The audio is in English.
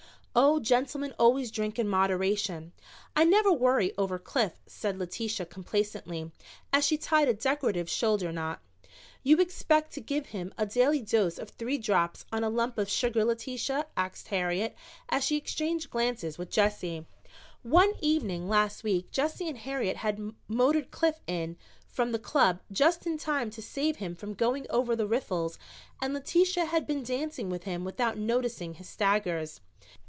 "Oh, gentlemen always drink in moderation. I never worry over Cliff," said Letitia complacently, as she tied a decorative shoulder knot. "You expect to give him a daily dose of three drops on a lump of sugar, Letitia?" asked Harriet, as she exchanged glances with Jessie. One evening last week Jessie and Harriet had motored Cliff in from the Club just in time to save him from going over the riffles and Letitia had been dancing with him without noticing his staggers.